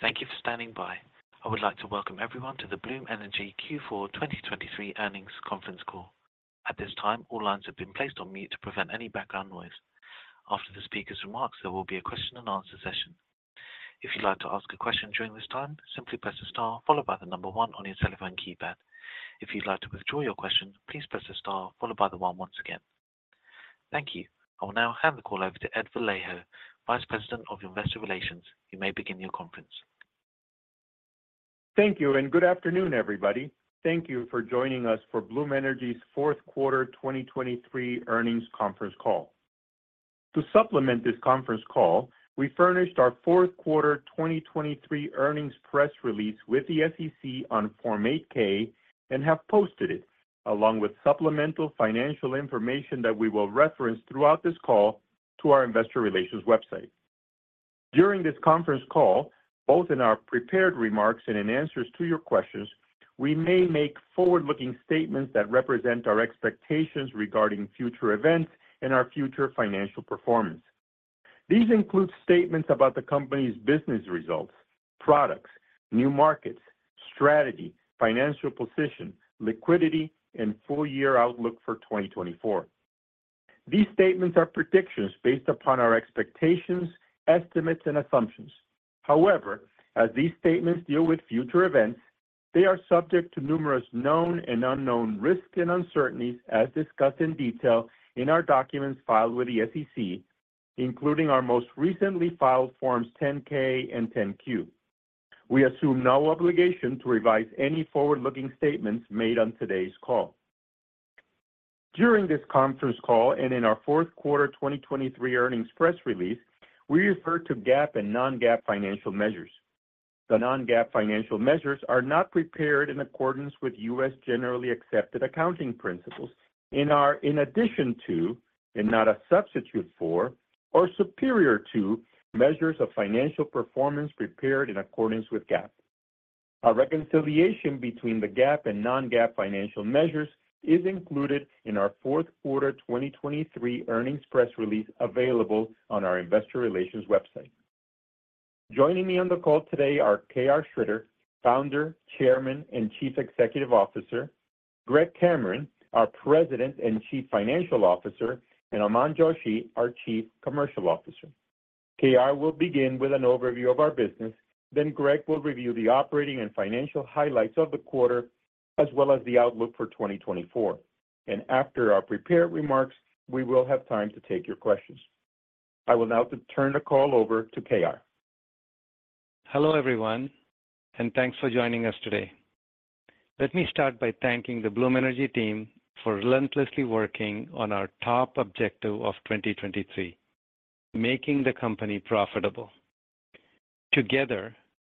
Thank you for standing by. I would like to welcome everyone to the Bloom Energy Q4 2023 earnings conference call. At this time, all lines have been placed on mute to prevent any background noise. After the speaker's remarks, there will be a question-and-answer session. If you'd like to ask a question during this time, simply press a star followed by the number 1 on your telephone keypad. If you'd like to withdraw your question, please press a star followed by the 1 once again. Thank you. I will now hand the call over to Ed Vallejo, Vice President of Investor Relations. You may begin your conference. Thank you, and good afternoon, everybody. Thank you for joining us for Bloom Energy's fourth quarter 2023 earnings conference call. To supplement this conference call, we furnished our fourth quarter 2023 earnings press release with the SEC on Form 8-K and have posted it, along with supplemental financial information that we will reference throughout this call to our investor relations website. During this conference call, both in our prepared remarks and in answers to your questions, we may make forward-looking statements that represent our expectations regarding future events and our future financial performance. These include statements about the company's business results, products, new markets, strategy, financial position, liquidity, and full-year outlook for 2024. These statements are predictions based upon our expectations, estimates, and assumptions. However, as these statements deal with future events, they are subject to numerous known and unknown risks and uncertainties as discussed in detail in our documents filed with the SEC, including our most recently filed Forms 10-K and 10-Q. We assume no obligation to revise any forward-looking statements made on today's call. During this conference call and in our fourth quarter 2023 earnings press release, we refer to GAAP and non-GAAP financial measures. The non-GAAP financial measures are not prepared in accordance with U.S. generally accepted accounting principles in addition to, and not a substitute for, or superior to measures of financial performance prepared in accordance with GAAP. A reconciliation between the GAAP and non-GAAP financial measures is included in our fourth quarter 2023 earnings press release available on our investor relations website. Joining me on the call today are K.R. Sridhar, founder, chairman, and Chief Executive Officer. Greg Cameron, our President and Chief Financial Officer. And Aman Joshi, our Chief Commercial Officer. K.R. will begin with an overview of our business, then Greg will review the operating and financial highlights of the quarter as well as the outlook for 2024. After our prepared remarks, we will have time to take your questions. I will now turn the call over to K.R. Hello everyone, and thanks for joining us today. Let me start by thanking the Bloom Energy team for relentlessly working on our top objective of 2023: making the company profitable. Together,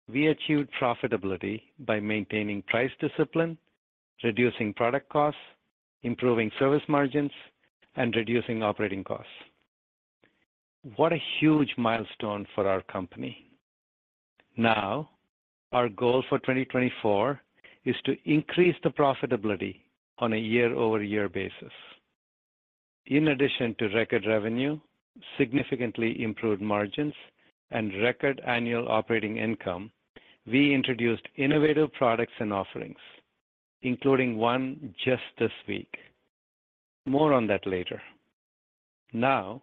we achieved profitability by maintaining price discipline, reducing product costs, improving service margins, and reducing operating costs. What a huge milestone for our company. Now, our goal for 2024 is to increase the profitability on a year-over-year basis. In addition to record revenue, significantly improved margins, and record annual operating income, we introduced innovative products and offerings, including one just this week. More on that later. Now,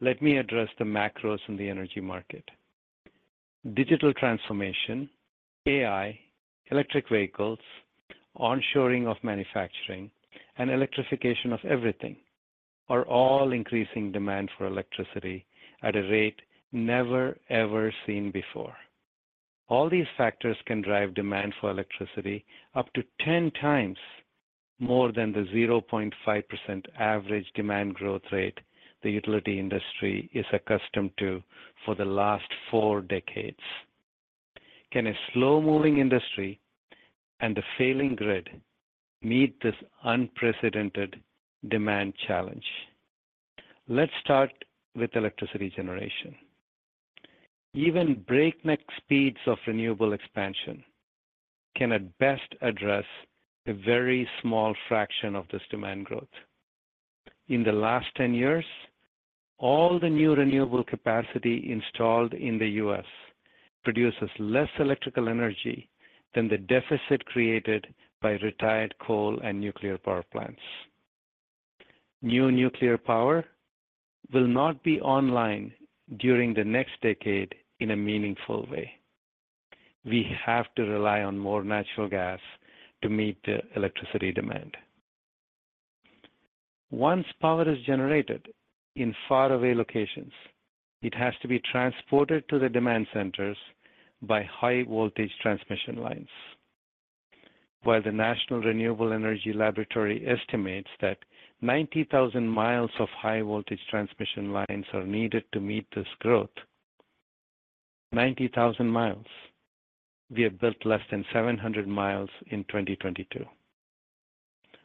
let me address the macros in the energy market. Digital transformation, AI, electric vehicles, onshoring of manufacturing, and electrification of everything are all increasing demand for electricity at a rate never, ever seen before. All these factors can drive demand for electricity up to 10 times more than the 0.5% average demand growth rate the utility industry is accustomed to for the last four decades. Can a slow-moving industry and the failing grid meet this unprecedented demand challenge? Let's start with electricity generation. Even breakneck speeds of renewable expansion can at best address a very small fraction of this demand growth. In the last 10 years, all the new renewable capacity installed in the U.S. produces less electrical energy than the deficit created by retired coal and nuclear power plants. New nuclear power will not be online during the next decade in a meaningful way. We have to rely on more natural gas to meet the electricity demand. Once power is generated in faraway locations, it has to be transported to the demand centers by high-voltage transmission lines. While the National Renewable Energy Laboratory estimates that 90,000 miles of high-voltage transmission lines are needed to meet this growth, 90,000 miles, we have built less than 700 miles in 2022.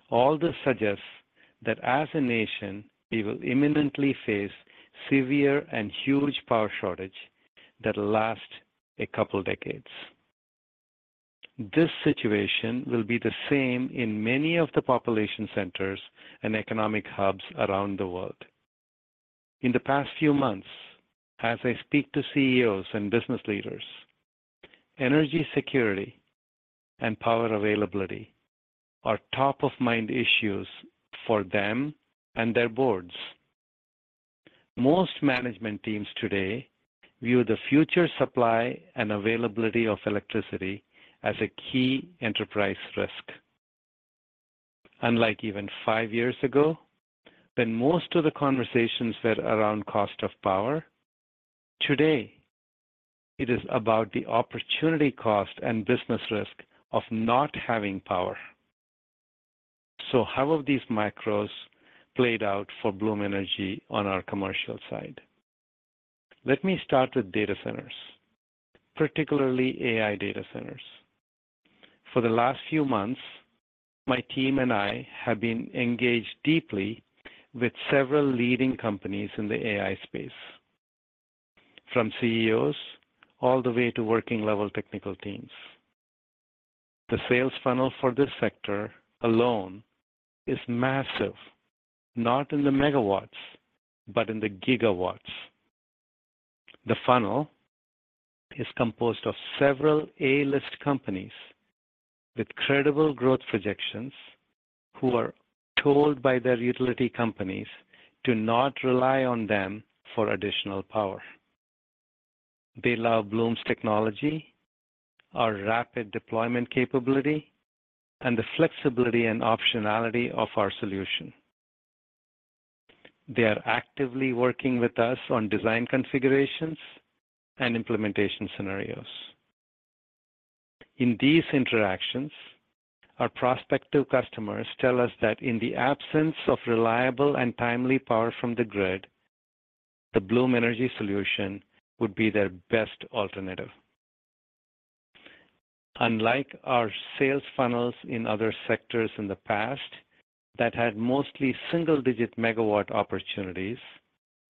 All this suggests that as a nation, we will imminently face severe and huge power shortage that will last a couple of decades. This situation will be the same in many of the population centers and economic hubs around the world. In the past few months, as I speak to CEOs and business leaders, energy security and power availability are top-of-mind issues for them and their boards. Most management teams today view the future supply and availability of electricity as a key enterprise risk. Unlike even five years ago, when most of the conversations were around cost of power, today it is about the opportunity cost and business risk of not having power. So how have these macros played out for Bloom Energy on our commercial side? Let me start with data centers, particularly AI data centers. For the last few months, my team and I have been engaged deeply with several leading companies in the AI space, from CEOs all the way to working-level technical teams. The sales funnel for this sector alone is massive, not in the megawatts but in the gigawatts. The funnel is composed of several A-list companies with credible growth projections who are told by their utility companies to not rely on them for additional power. They love Bloom's technology, our rapid deployment capability, and the flexibility and optionality of our solution. They are actively working with us on design configurations and implementation scenarios. In these interactions, our prospective customers tell us that in the absence of reliable and timely power from the grid, the Bloom Energy solution would be their best alternative. Unlike our sales funnels in other sectors in the past that had mostly single-digit megawatt opportunities,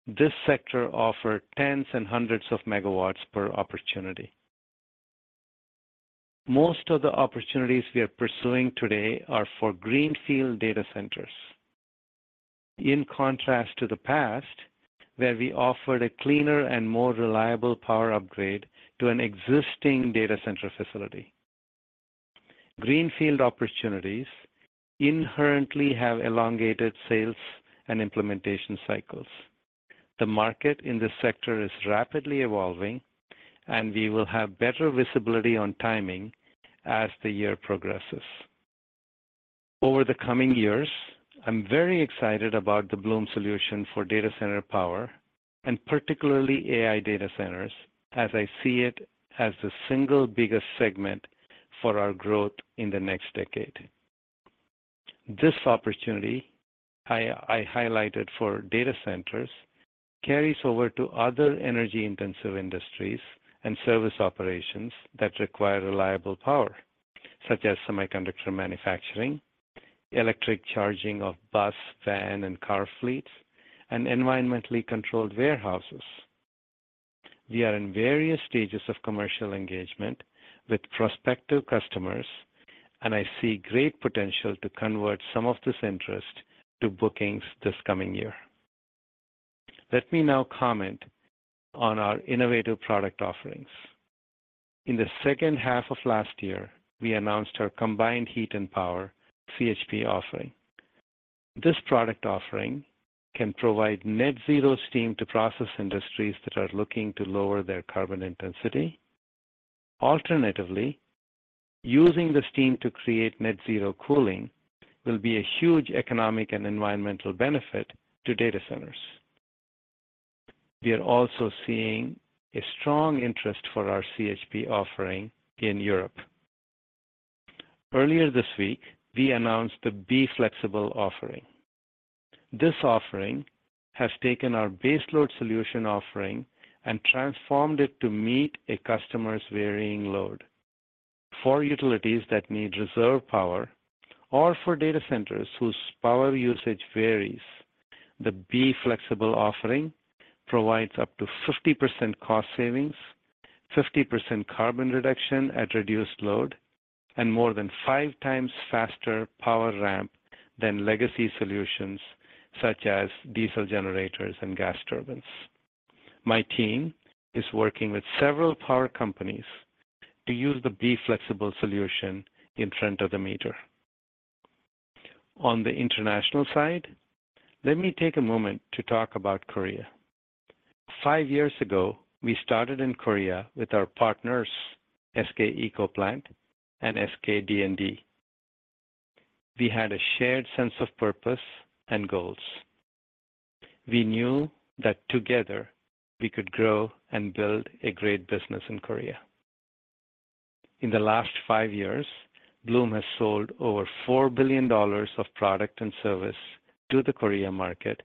this sector offered tens and hundreds of megawatts per opportunity. Most of the opportunities we are pursuing today are for greenfield data centers. In contrast to the past, where we offered a cleaner and more reliable power upgrade to an existing data center facility, greenfield opportunities inherently have elongated sales and implementation cycles. The market in this sector is rapidly evolving, and we will have better visibility on timing as the year progresses. Over the coming years, I'm very excited about the Bloom solution for data center power and particularly AI data centers as I see it as the single biggest segment for our growth in the next decade. This opportunity I highlighted for data centers carries over to other energy-intensive industries and service operations that require reliable power, such as semiconductor manufacturing, electric charging of bus, van, and car fleets, and environmentally controlled warehouses. We are in various stages of commercial engagement with prospective customers, and I see great potential to convert some of this interest to bookings this coming year. Let me now comment on our innovative product offerings. In the second half of last year, we announced our Combined Heat and Power (CHP) offering. This product offering can provide net-zero steam to process industries that are looking to lower their carbon intensity. Alternatively, using the steam to create net-zero cooling will be a huge economic and environmental benefit to data centers. We are also seeing a strong interest for our CHP offering in Europe. Earlier this week, we announced the Be Flexible offering. This offering has taken our baseload solution offering and transformed it to meet a customer's varying load. For utilities that need reserve power or for data centers whose power usage varies, the Be Flexible offering provides up to 50% cost savings, 50% carbon reduction at reduced load, and more than five times faster power ramp than legacy solutions such as diesel generators and gas turbines. My team is working with several power companies to use the Be Flexible solution in front of the meter. On the international side, let me take a moment to talk about Korea. Five years ago, we started in Korea with our partners SK Ecoplant and SK D&D. We had a shared sense of purpose and goals. We knew that together, we could grow and build a great business in Korea. In the last five years, Bloom has sold over $4 billion of product and service to the Korea market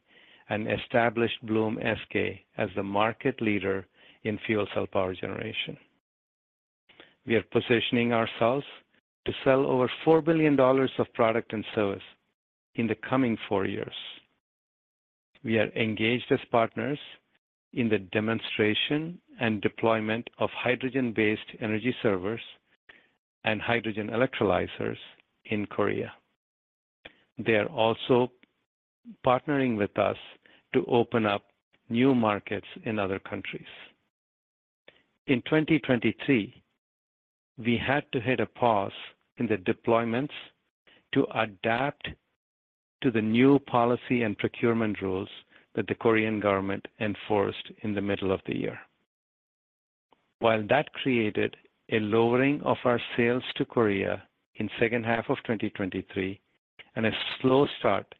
and established Bloom SK as the market leader in fuel cell power generation. We are positioning ourselves to sell over $4 billion of product and service in the coming four years. We are engaged as partners in the demonstration and deployment of hydrogen-based energy servers and hydrogen electrolyzers in Korea. They are also partnering with us to open up new markets in other countries. In 2023, we had to hit a pause in the deployments to adapt to the new policy and procurement rules that the Korean government enforced in the middle of the year. While that created a lowering of our sales to Korea in second half of 2023 and a slow start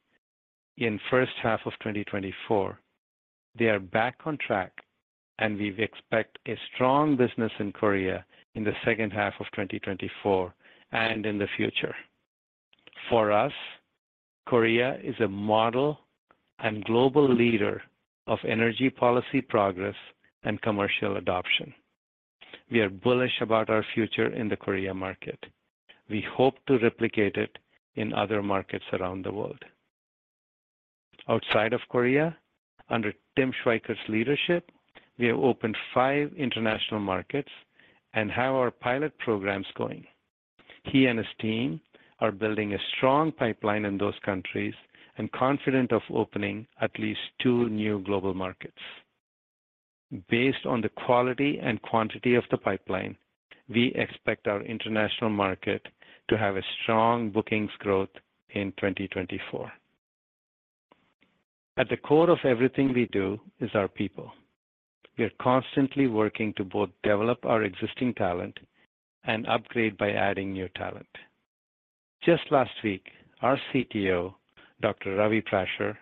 in first half of 2024, they are back on track, and we expect a strong business in Korea in the second half of 2024 and in the future. For us, Korea is a model and global leader of energy policy progress and commercial adoption. We are bullish about our future in the Korea market. We hope to replicate it in other markets around the world. Outside of Korea, under Tim Schweikert's leadership, we have opened five international markets and have our pilot programs going. He and his team are building a strong pipeline in those countries and confident of opening at least two new global markets. Based on the quality and quantity of the pipeline, we expect our international market to have a strong bookings growth in 2024. At the core of everything we do is our people. We are constantly working to both develop our existing talent and upgrade by adding new talent. Just last week, our CTO, Dr. Ravi Prasher,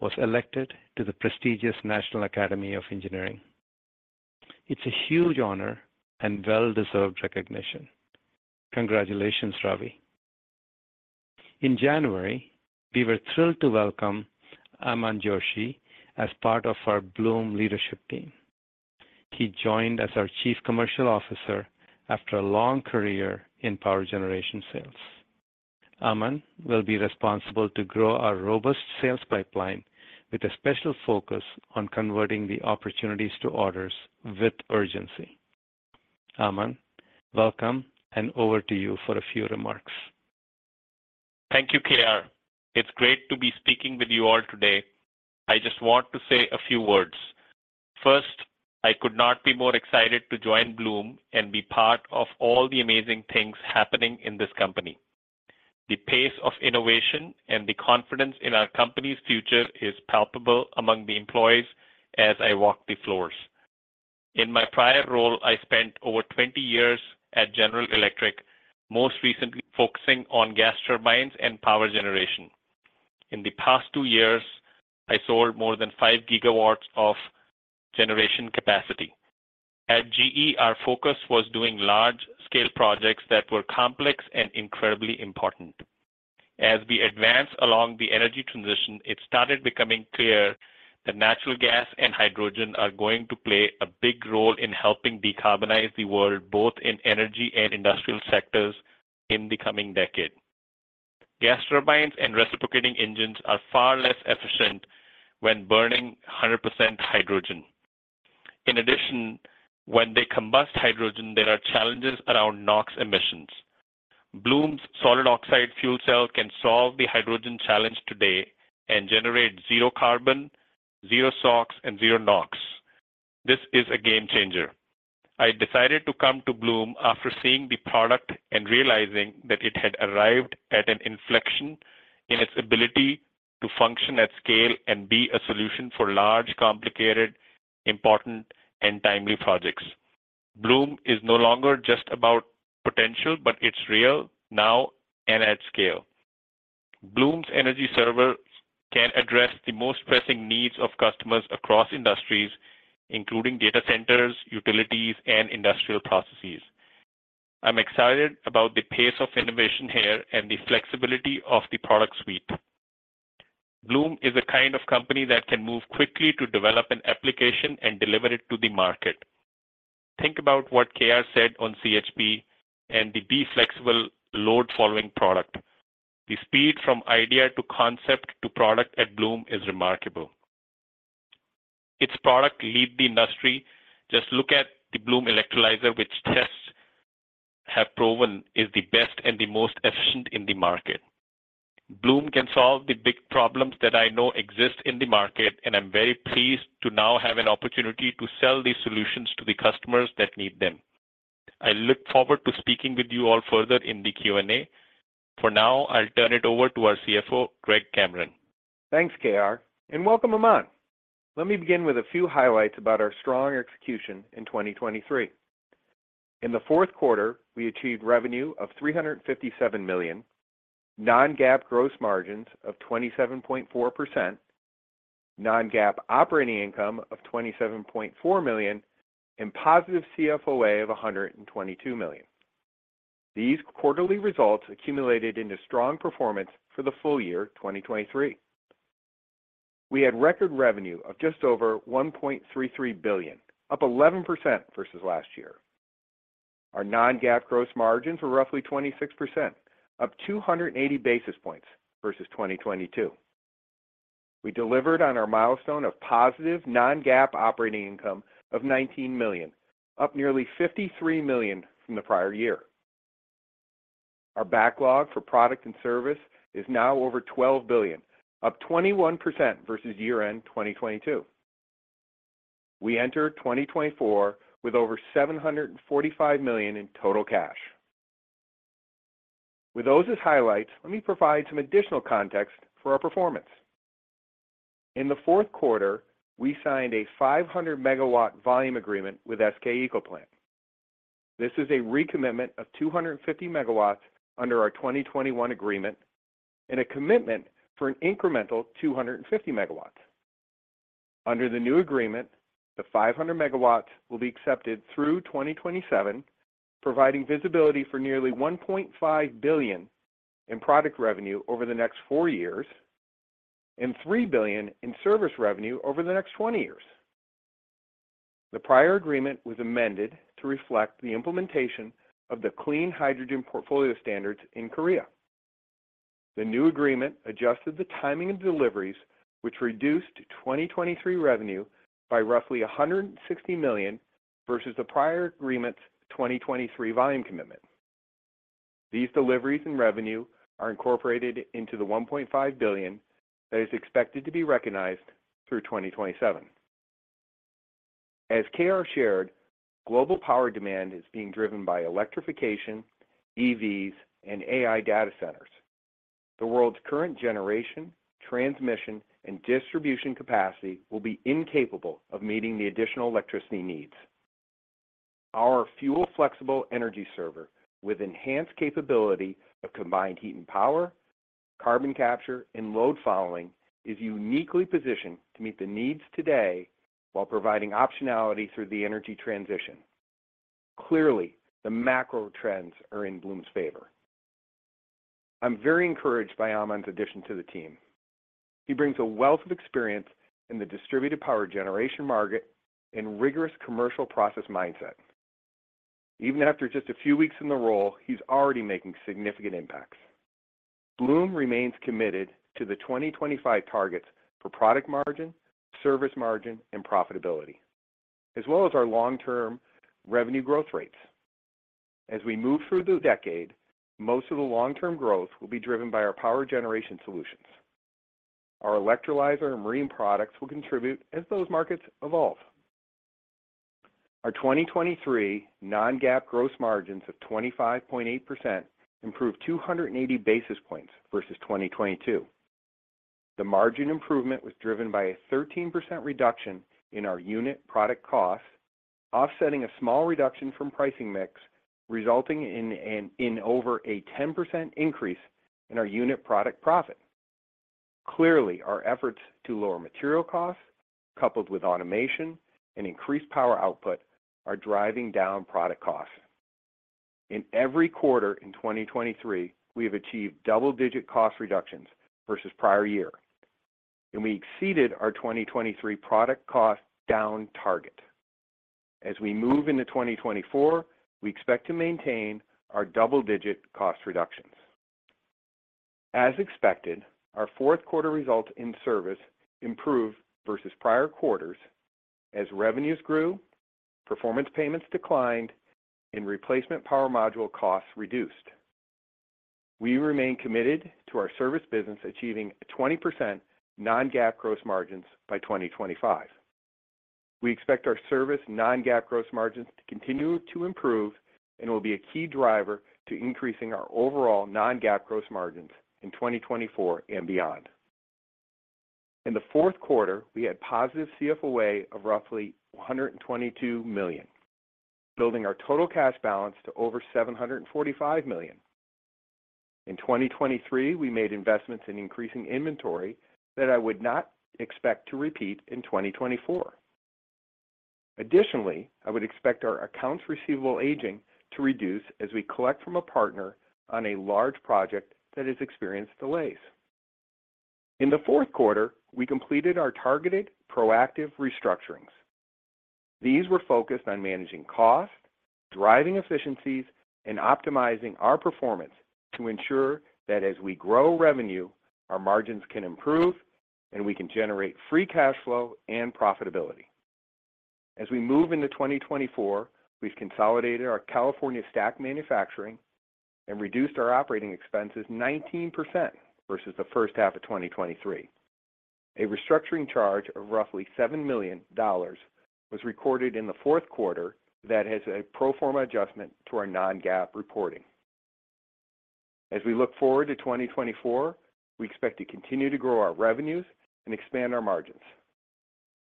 was elected to the prestigious National Academy of Engineering. It's a huge honor and well-deserved recognition. Congratulations, Ravi. In January, we were thrilled to welcome Aman Joshi as part of our Bloom leadership team. He joined as our Chief Commercial Officer after a long career in power generation sales. Aman will be responsible to grow our robust sales pipeline with a special focus on converting the opportunities to orders with urgency. Aman, welcome, and over to you for a few remarks. Thank you, KR. It's great to be speaking with you all today. I just want to say a few words. First, I could not be more excited to join Bloom and be part of all the amazing things happening in this company. The pace of innovation and the confidence in our company's future is palpable among the employees as I walk the floors. In my prior role, I spent over 20 years at General Electric, most recently focusing on gas turbines and power generation. In the past two years, I sold more than five gigawatts of generation capacity. At GE, our focus was doing large-scale projects that were complex and incredibly important. As we advanced along the energy transition, it started becoming clear that natural gas and hydrogen are going to play a big role in helping decarbonize the world both in energy and industrial sectors in the coming decade. Gas turbines and reciprocating engines are far less efficient when burning 100% hydrogen. In addition, when they combust hydrogen, there are challenges around NOx emissions. Bloom's Solid Oxide Fuel Cell can solve the hydrogen challenge today and generate zero carbon, zero SOx, and zero NOx. This is a game-changer. I decided to come to Bloom after seeing the product and realizing that it had arrived at an inflection in its ability to function at scale and be a solution for large, complicated, important, and timely projects. Bloom is no longer just about potential, but it's real now and at scale. Bloom's Energy Server can address the most pressing needs of customers across industries, including data centers, utilities, and industrial processes. I'm excited about the pace of innovation here and the flexibility of the product suite. Bloom is a kind of company that can move quickly to develop an application and deliver it to the market. Think about what KR said on CHP and the B-Flexible load-following product. The speed from idea to concept to product at Bloom is remarkable. Its products lead the industry, just look at the Bloom Electrolyzer, which tests have proven is the best and the most efficient in the market. Bloom can solve the big problems that I know exist in the market, and I'm very pleased to now have an opportunity to sell these solutions to the customers that need them. I look forward to speaking with you all further in the Q&A. For now, I'll turn it over to our CFO, Greg Cameron. Thanks, KR. And welcome, Aman. Let me begin with a few highlights about our strong execution in 2023. In the fourth quarter, we achieved revenue of $357 million, non-GAAP gross margins of 27.4%, non-GAAP operating income of $27.4 million, and positive CFOA of $122 million. These quarterly results accumulated into strong performance for the full year 2023. We had record revenue of just over $1.33 billion, up 11% versus last year. Our non-GAAP gross margins were roughly 26%, up 280 basis points versus 2022. We delivered on our milestone of positive non-GAAP operating income of $19 million, up nearly $53 million from the prior year. Our backlog for product and service is now over $12 billion, up 21% versus year-end 2022. We enter 2024 with over $745 million in total cash. With those as highlights, let me provide some additional context for our performance. In the fourth quarter, we signed a 500-megawatt volume agreement with SK ecoplant. This is a recommitment of 250 megawatts under our 2021 agreement and a commitment for an incremental 250 megawatts. Under the new agreement, the 500 megawatts will be accepted through 2027, providing visibility for nearly $1.5 billion in product revenue over the next four years and $3 billion in service revenue over the next 20 years. The prior agreement was amended to reflect the implementation of the Clean Hydrogen Portfolio Standards in Korea. The new agreement adjusted the timing of deliveries, which reduced 2023 revenue by roughly $160 million versus the prior agreement's 2023 volume commitment. These deliveries and revenue are incorporated into the $1.5 billion that is expected to be recognized through 2027. As KR shared, global power demand is being driven by electrification, EVs, and AI data centers. The world's current generation, transmission, and distribution capacity will be incapable of meeting the additional electricity needs. Our Fuel Flexible Energy Server, with enhanced capability of combined heat and power, carbon capture, and load following, is uniquely positioned to meet the needs today while providing optionality through the energy transition. Clearly, the macro trends are in Bloom's favor. I'm very encouraged by Aman's addition to the team. He brings a wealth of experience in the distributed power generation market and rigorous commercial process mindset. Even after just a few weeks in the role, he's already making significant impacts. Bloom remains committed to the 2025 targets for product margin, service margin, and profitability, as well as our long-term revenue growth rates. As we move through the decade, most of the long-term growth will be driven by our power generation solutions. Our electrolyzer and marine products will contribute as those markets evolve. Our 2023 non-GAAP gross margins of 25.8% improved 280 basis points versus 2022. The margin improvement was driven by a 13% reduction in our unit product cost, offsetting a small reduction from pricing mix, resulting in over a 10% increase in our unit product profit. Clearly, our efforts to lower material costs, coupled with automation and increased power output, are driving down product costs. In every quarter in 2023, we have achieved double-digit cost reductions versus prior year, and we exceeded our 2023 product cost down target. As we move into 2024, we expect to maintain our double-digit cost reductions. As expected, our fourth quarter results in service improved versus prior quarters as revenues grew, performance payments declined, and replacement power module costs reduced. We remain committed to our service business achieving 20% non-GAAP gross margins by 2025. We expect our service non-GAAP gross margins to continue to improve and will be a key driver to increasing our overall non-GAAP gross margins in 2024 and beyond. In the fourth quarter, we had positive CFOA of roughly $122 million, building our total cash balance to over $745 million. In 2023, we made investments in increasing inventory that I would not expect to repeat in 2024. Additionally, I would expect our accounts receivable aging to reduce as we collect from a partner on a large project that has experienced delays. In the fourth quarter, we completed our targeted proactive restructurings. These were focused on managing cost, driving efficiencies, and optimizing our performance to ensure that as we grow revenue, our margins can improve and we can generate free cash flow and profitability. As we move into 2024, we've consolidated our California stack manufacturing and reduced our operating expenses 19% versus the first half of 2023. A restructuring charge of roughly $7 million was recorded in the fourth quarter that has a pro forma adjustment to our non-GAAP reporting. As we look forward to 2024, we expect to continue to grow our revenues and expand our margins.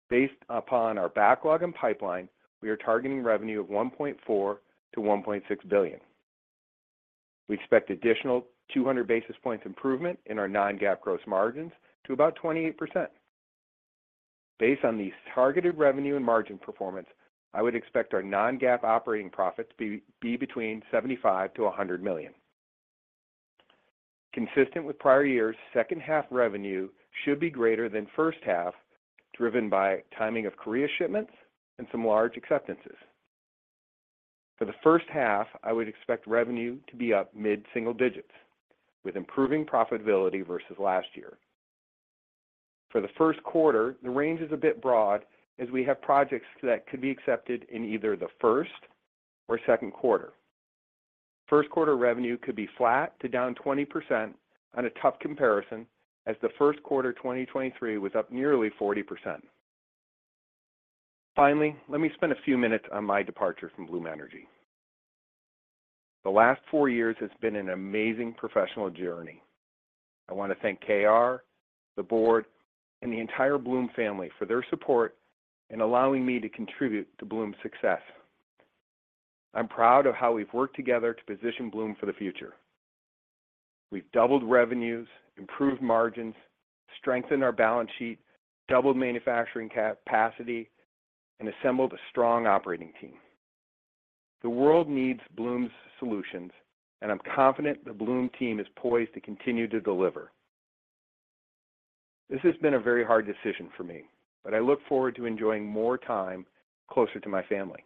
Based upon our backlog and pipeline, we are targeting revenue of $1.4-$1.6 billion. We expect additional 200 basis points improvement in our non-GAAP gross margins to about 28%. Based on this targeted revenue and margin performance, I would expect our non-GAAP operating profit to be between $75-$100 million. Consistent with prior years, second-half revenue should be greater than first-half, driven by timing of Korea shipments and some large acceptances. For the first half, I would expect revenue to be up mid-single digits, with improving profitability versus last year. For the first quarter, the range is a bit broad as we have projects that could be accepted in either the first or second quarter. First-quarter revenue could be flat to down 20% on a tough comparison as the first quarter 2023 was up nearly 40%. Finally, let me spend a few minutes on my departure from Bloom Energy. The last four years have been an amazing professional journey. I want to thank KR, the board, and the entire Bloom family for their support in allowing me to contribute to Bloom's success. I'm proud of how we've worked together to position Bloom for the future. We've doubled revenues, improved margins, strengthened our balance sheet, doubled manufacturing capacity, and assembled a strong operating team. The world needs Bloom's solutions, and I'm confident the Bloom team is poised to continue to deliver. This has been a very hard decision for me, but I look forward to enjoying more time closer to my family.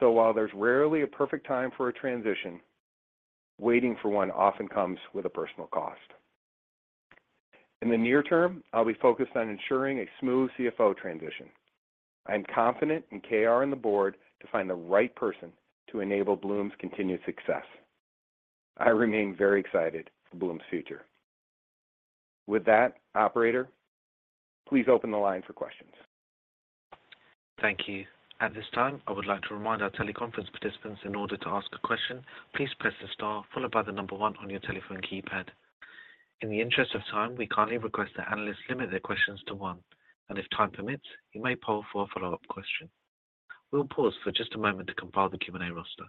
So while there's rarely a perfect time for a transition, waiting for one often comes with a personal cost. In the near term, I'll be focused on ensuring a smooth CFO transition. I am confident in KR and the board to find the right person to enable Bloom's continued success. I remain very excited for Bloom's future. With that, operator, please open the line for questions. Thank you. At this time, I would like to remind our teleconference participants in order to ask a question, please press the star followed by the number one on your telephone keypad. In the interest of time, we kindly request that analysts limit their questions to one, and if time permits, you may poll for a follow-up question. We'll pause for just a moment to compile the Q&A roster.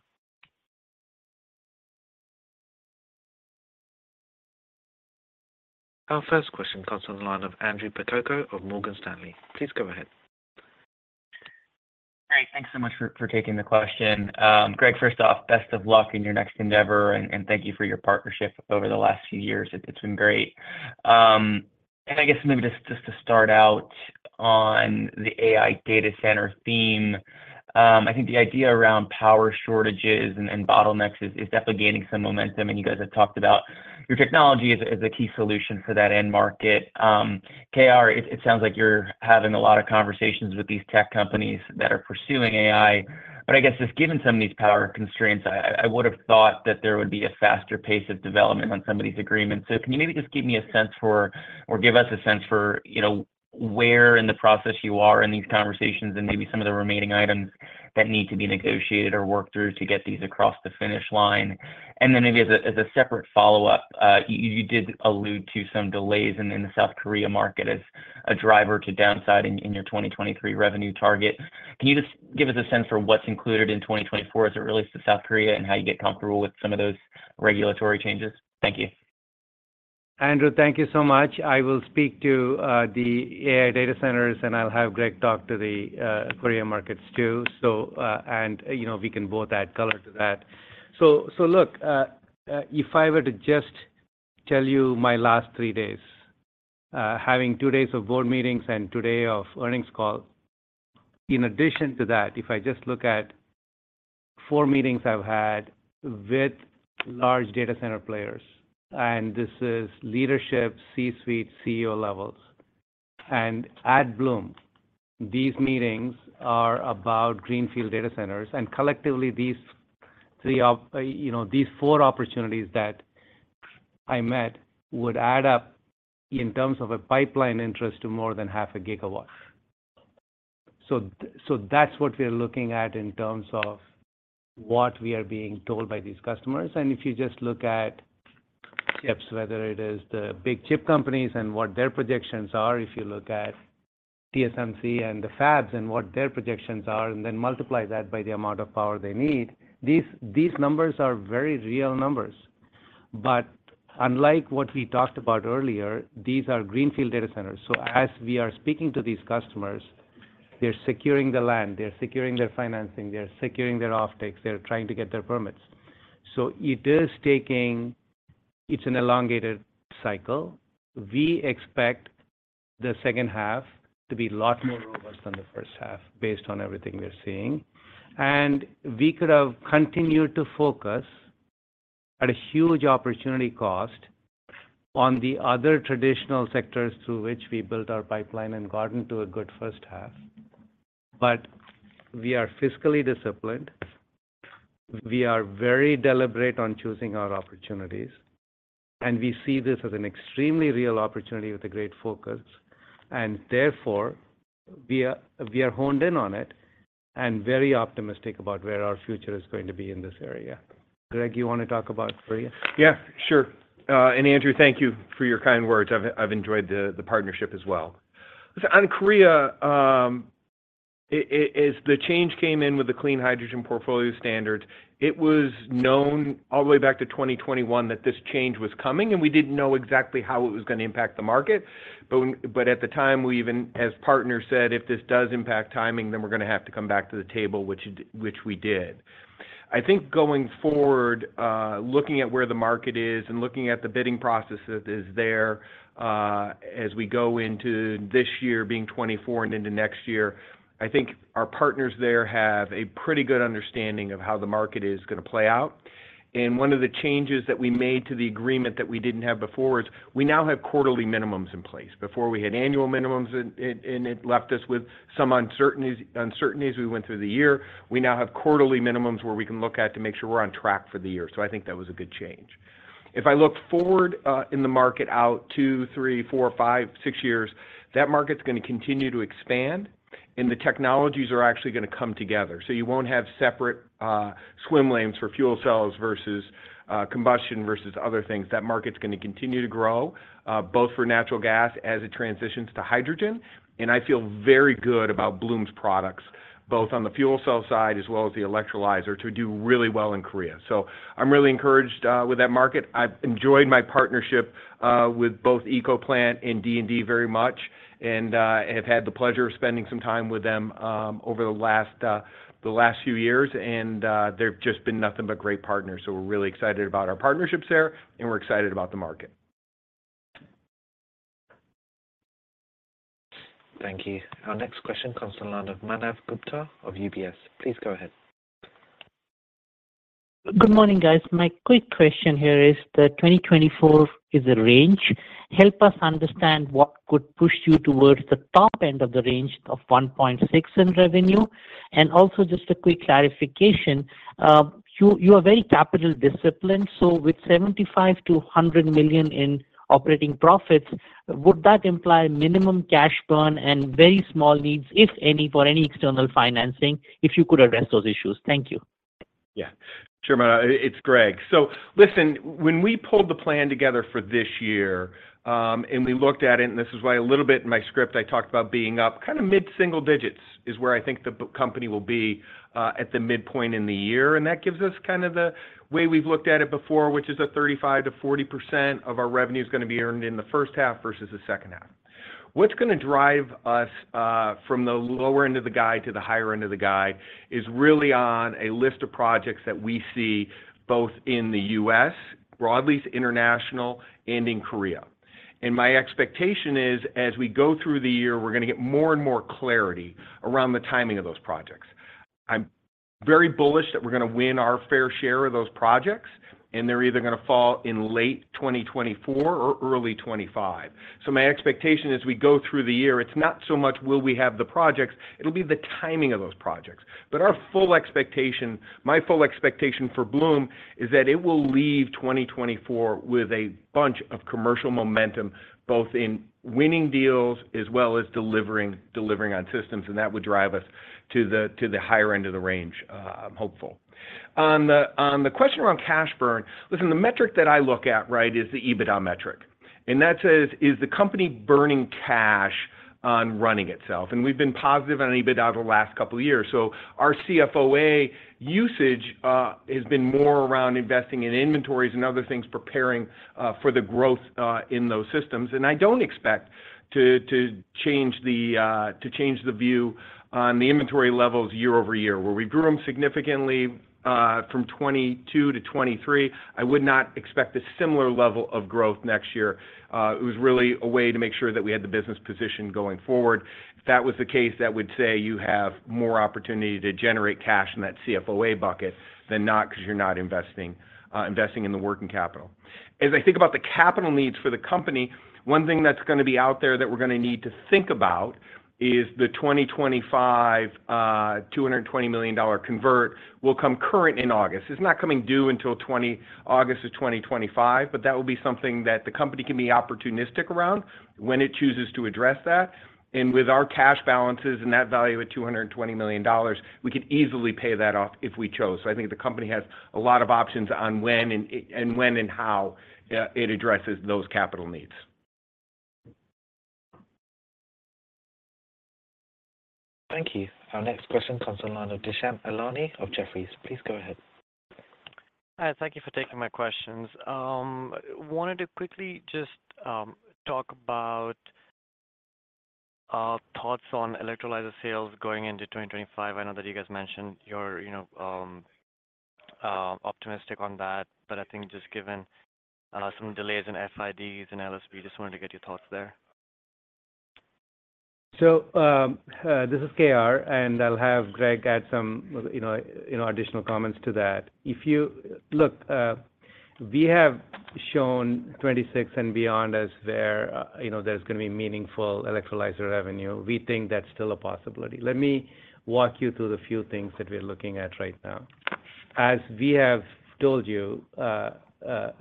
Our first question comes from the line of Andrew Percoco of Morgan Stanley. Please go ahead. Great. Thanks so much for taking the question. Greg, first off, best of luck in your next endeavor, and thank you for your partnership over the last few years. It's been great. I guess maybe just to start out on the AI data center theme, I think the idea around power shortages and bottlenecks is definitely gaining some momentum, and you guys have talked about your technology as a key solution for that end market. KR, it sounds like you're having a lot of conversations with these tech companies that are pursuing AI, but I guess just given some of these power constraints, I would have thought that there would be a faster pace of development on some of these agreements. So can you maybe just give me a sense for or give us a sense for where in the process you are in these conversations and maybe some of the remaining items that need to be negotiated or worked through to get these across the finish line? And then maybe as a separate follow-up, you did allude to some delays in the South Korea market as a driver to downside in your 2023 revenue target. Can you just give us a sense for what's included in 2024 as it relates to South Korea and how you get comfortable with some of those regulatory changes? Thank you. Andrew, thank you so much. I will speak to the AI data centers, and I'll have Greg talk to the Korea markets too, and we can both add color to that. So look, if I were to just tell you my last 3 days, having 2 days of board meetings and today of earnings call, in addition to that, if I just look at 4 meetings I've had with large data center players, and this is leadership, C-suite, CEO levels, and at Bloom, these meetings are about greenfield data centers, and collectively, these 4 opportunities that I met would add up in terms of a pipeline interest to more than 0.5 GW. So that's what we're looking at in terms of what we are being told by these customers. If you just look at chips, whether it is the big chip companies and what their projections are, if you look at TSMC and the fabs and what their projections are, and then multiply that by the amount of power they need, these numbers are very real numbers. But unlike what we talked about earlier, these are greenfield data centers. So as we are speaking to these customers, they're securing the land. They're securing their financing. They're securing their offtakes. They're trying to get their permits. So it is taking. It's an elongated cycle. We expect the second half to be a lot more robust than the first half based on everything we're seeing. And we could have continued to focus at a huge opportunity cost on the other traditional sectors through which we built our pipeline and gotten to a good first half. But we are fiscally disciplined. We are very deliberate on choosing our opportunities, and we see this as an extremely real opportunity with a great focus. Therefore, we are honed in on it and very optimistic about where our future is going to be in this area. Greg, you want to talk about Korea? Yeah, sure. Andrew, thank you for your kind words. I've enjoyed the partnership as well. On Korea, as the change came in with the Clean Hydrogen Portfolio Standards, it was known all the way back to 2021 that this change was coming, and we didn't know exactly how it was going to impact the market. But at the time, we even, as partners, said, "If this does impact timing, then we're going to have to come back to the table," which we did. I think going forward, looking at where the market is and looking at the bidding process that is there as we go into this year being 2024 and into next year, I think our partners there have a pretty good understanding of how the market is going to play out. One of the changes that we made to the agreement that we didn't have before is we now have quarterly minimums in place. Before, we had annual minimums, and it left us with some uncertainties we went through the year. We now have quarterly minimums where we can look at to make sure we're on track for the year. So I think that was a good change. If I look forward in the market out 2, 3, 4, 5, 6 years, that market's going to continue to expand, and the technologies are actually going to come together. So you won't have separate swim lanes for fuel cells versus combustion versus other things. That market's going to continue to grow, both for natural gas as it transitions to hydrogen. I feel very good about Bloom's products, both on the fuel cell side as well as the electrolyzer, to do really well in Korea. I'm really encouraged with that market. I've enjoyed my partnership with both SK ecoplant and SK D&D very much and have had the pleasure of spending some time with them over the last few years. They've just been nothing but great partners. We're really excited about our partnerships there, and we're excited about the market. Thank you. Our next question comes from Manav Gupta of UBS. Please go ahead. Good morning, guys. My quick question here is that 2024 is a range. Help us understand what could push you towards the top end of the range of $1.6 in revenue. Also just a quick clarification, you are very capital disciplined. So with $75 million-$100 million in operating profits, would that imply minimum cash burn and very small needs, if any, for any external financing if you could address those issues? Thank you. Yeah. Sure, Manav. It's Greg. So listen, when we pulled the plan together for this year and we looked at it, and this is why a little bit in my script I talked about being up, kind of mid-single digits is where I think the company will be at the midpoint in the year. And that gives us kind of the way we've looked at it before, which is that 35%-40% of our revenue is going to be earned in the first half versus the second half. What's going to drive us from the lower end of the guide to the higher end of the guide is really on a list of projects that we see both in the U.S., broadly international, and in Korea. My expectation is as we go through the year, we're going to get more and more clarity around the timing of those projects. I'm very bullish that we're going to win our fair share of those projects, and they're either going to fall in late 2024 or early 2025. So my expectation as we go through the year, it's not so much will we have the projects. It'll be the timing of those projects. But my full expectation for Bloom is that it will leave 2024 with a bunch of commercial momentum, both in winning deals as well as delivering on systems. And that would drive us to the higher end of the range, I'm hopeful. On the question around cash burn, listen, the metric that I look at is the EBITDA metric. That says, "Is the company burning cash on running itself?" We've been positive on EBITDA the last couple of years. So our CFOA usage has been more around investing in inventories and other things, preparing for the growth in those systems. I don't expect to change the view on the inventory levels year-over-year. Where we grew them significantly from 2022 to 2023, I would not expect a similar level of growth next year. It was really a way to make sure that we had the business position going forward. If that was the case, that would say you have more opportunity to generate cash in that CFOA bucket than not because you're not investing in the working capital. As I think about the capital needs for the company, one thing that's going to be out there that we're going to need to think about is the 2025 $220 million convert will come current in August. It's not coming due until August of 2025, but that will be something that the company can be opportunistic around when it chooses to address that. With our cash balances and that value of $220 million, we could easily pay that off if we chose. I think the company has a lot of options on when and how it addresses those capital needs. Thank you. Our next question comes from Dushyant Ailani of Jefferies. Please go ahead. Hi. Thank you for taking my questions. Wanted to quickly just talk about thoughts on electrolyzer sales going into 2025. I know that you guys mentioned you're optimistic on that, but I think just given some delays in FIDs and LSB, just wanted to get your thoughts there. So this is KR, and I'll have Greg add some additional comments to that. Look, we have shown 2026 and beyond as where there's going to be meaningful electrolyzer revenue. We think that's still a possibility. Let me walk you through the few things that we're looking at right now. As we have told you,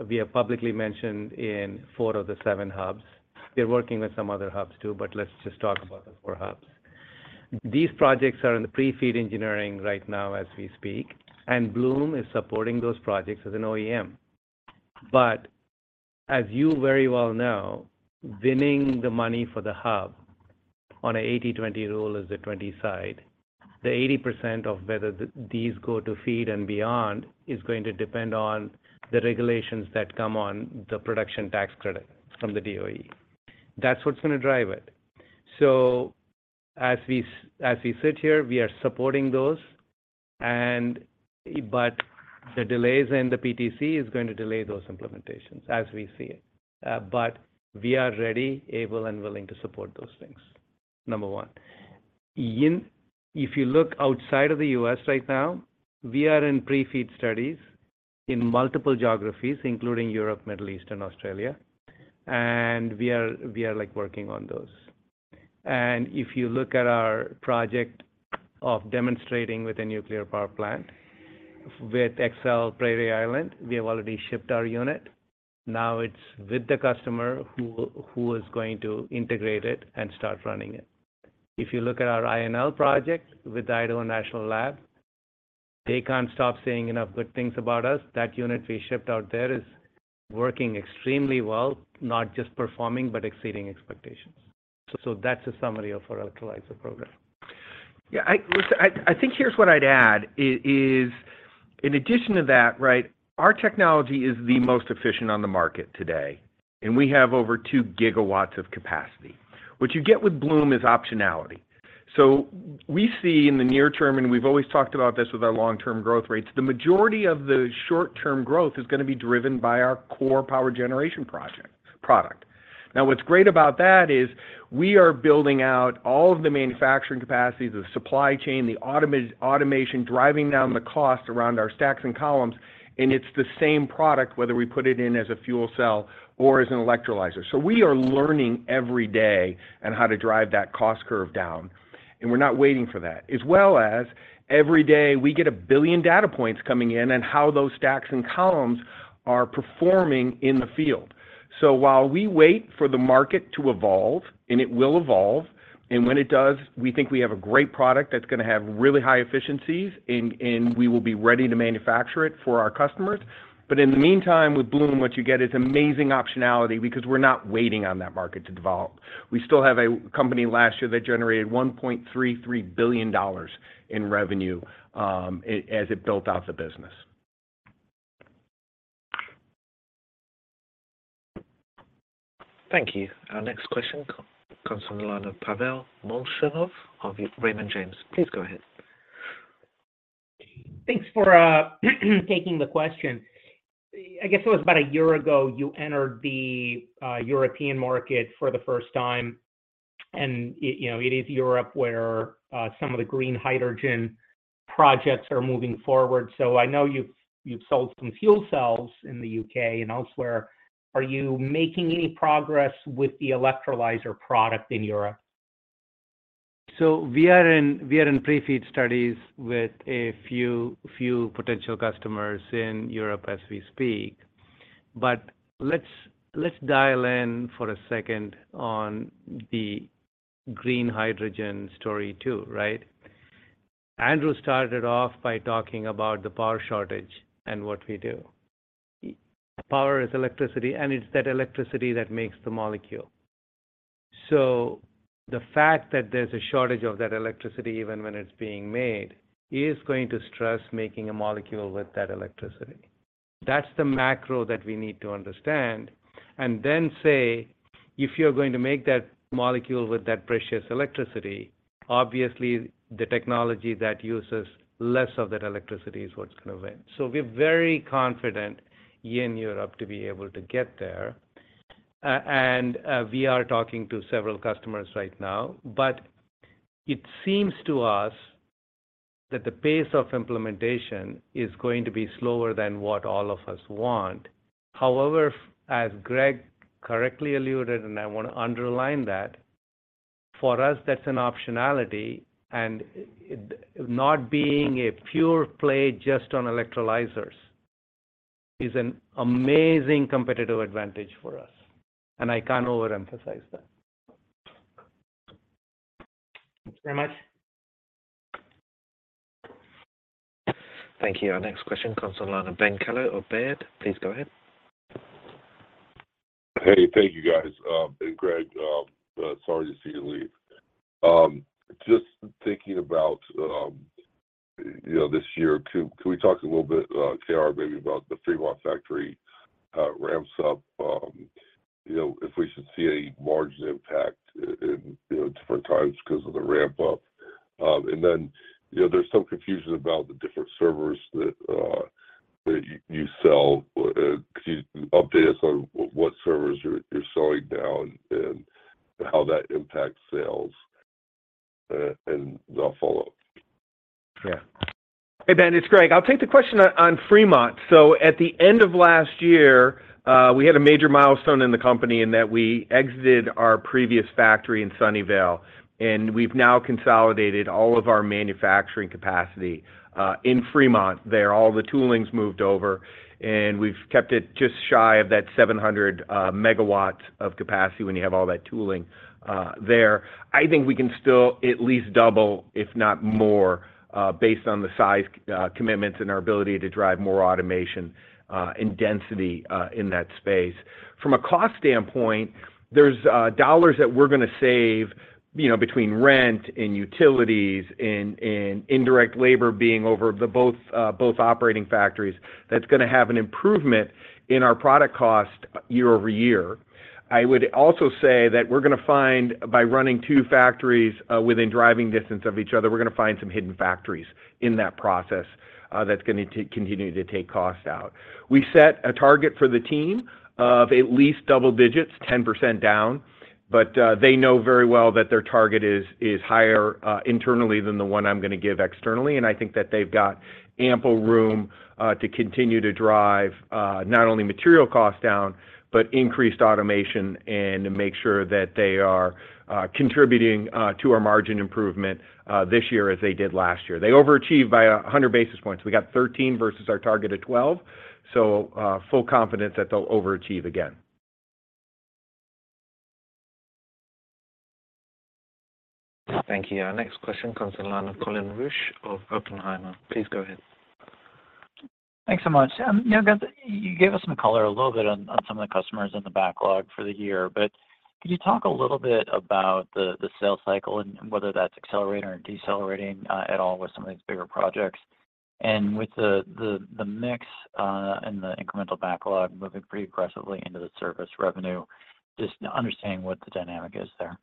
we have publicly mentioned in four of the seven hubs. We're working with some other hubs too, but let's just talk about the four hubs. These projects are in the pre-feed engineering right now as we speak, and Bloom is supporting those projects as an OEM. But as you very well know, winning the money for the hub on an 80/20 rule is the 20 side. The 80% of whether these go to FEED and beyond is going to depend on the regulations that come on the production tax credit from the DOE. That's what's going to drive it. So as we sit here, we are supporting those, but the delays in the PTC is going to delay those implementations as we see it. But we are ready, able, and willing to support those things, number one. If you look outside of the U.S. right now, we are in pre-FEED studies in multiple geographies, including Europe, Middle East, and Australia, and we are working on those. And if you look at our project of demonstrating with a nuclear power plant with Xcel Prairie Island, we have already shipped our unit. Now it's with the customer who is going to integrate it and start running it. If you look at our INL project with Idaho National Lab, they can't stop saying enough good things about us. That unit we shipped out there is working extremely well, not just performing but exceeding expectations. That's a summary of our electrolyzer program. Yeah. Listen, I think here's what I'd add. In addition to that, our technology is the most efficient on the market today, and we have over 2 gigawatts of capacity. What you get with Bloom is optionality. So we see in the near term, and we've always talked about this with our long-term growth rates, the majority of the short-term growth is going to be driven by our core power generation product. Now, what's great about that is we are building out all of the manufacturing capacities, the supply chain, the automation driving down the cost around our stacks and columns, and it's the same product, whether we put it in as a fuel cell or as an electrolyzer. So we are learning every day on how to drive that cost curve down, and we're not waiting for that, as well as every day, we get a billion data points coming in on how those stacks and columns are performing in the field. So while we wait for the market to evolve, and it will evolve, and when it does, we think we have a great product that's going to have really high efficiencies, and we will be ready to manufacture it for our customers. But in the meantime, with Bloom, what you get is amazing optionality because we're not waiting on that market to develop. We still have a company last year that generated $1.33 billion in revenue as it built out the business. Thank you. Our next question comes from the line of Pavel Molchanov of Raymond James. Please go ahead. Thanks for taking the question. I guess it was about a year ago you entered the European market for the first time, and it is Europe where some of the green hydrogen projects are moving forward. So I know you've sold some fuel cells in the UK and elsewhere. Are you making any progress with the electrolyzer product in Europe? So we are in pre-feed studies with a few potential customers in Europe as we speak. But let's dial in for a second on the green hydrogen story too. Andrew started off by talking about the power shortage and what we do. Power is electricity, and it's that electricity that makes the molecule. So the fact that there's a shortage of that electricity, even when it's being made, is going to stress making a molecule with that electricity. That's the macro that we need to understand. And then say, if you're going to make that molecule with that precious electricity, obviously, the technology that uses less of that electricity is what's going to win. So we're very confident here in Europe to be able to get there. We are talking to several customers right now, but it seems to us that the pace of implementation is going to be slower than what all of us want. However, as Greg correctly alluded, and I want to underline that, for us, that's an optionality. Not being a pure play just on electrolyzers is an amazing competitive advantage for us, and I can't overemphasize that. Thanks very much. Thank you. Our next question comes from Ben Kallo of Baird. Please go ahead. Hey, thank you, guys. And Greg, sorry to see you leave. Just thinking about this year, can we talk a little bit, KR, maybe about the Fremont factory ramps up, if we should see any margin impact at different times because of the ramp-up? And then there's some confusion about the different servers that you sell. Could you update us on what servers you're selling now and how that impacts sales? And I'll follow up. Yeah. Hey, Ben. It's Greg. I'll take the question on Fremont. So at the end of last year, we had a major milestone in the company in that we exited our previous factory in Sunnyvale, and we've now consolidated all of our manufacturing capacity in Fremont there. All the tooling's moved over, and we've kept it just shy of that 700 MW of capacity when you have all that tooling there. I think we can still at least double, if not more, based on the size commitments and our ability to drive more automation and density in that space. From a cost standpoint, there's dollars that we're going to save between rent and utilities and indirect labor being over both operating factories. That's going to have an improvement in our product cost year-over-year. I would also say that we're going to find, by running two factories within driving distance of each other, we're going to find some hidden factories in that process that's going to continue to take cost out. We set a target for the team of at least double digits, 10% down, but they know very well that their target is higher internally than the one I'm going to give externally. And I think that they've got ample room to continue to drive not only material costs down but increased automation and make sure that they are contributing to our margin improvement this year as they did last year. They overachieved by 100 basis points. We got 13 versus our target of 12. So full confidence that they'll overachieve again. Thank you. Our next question comes from Colin Rusch of Oppenheimer. Please go ahead. Thanks so much. You gave us some color a little bit on some of the customers in the backlog for the year, but could you talk a little bit about the sales cycle and whether that's accelerating or decelerating at all with some of these bigger projects? And with the mix and the incremental backlog moving pretty aggressively into the service revenue, just understanding what the dynamic is there.